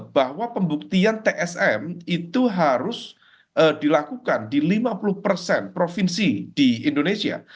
bahwa pembuktian tsm itu harus dilakukan di lima puluh persen provinsi di indonesia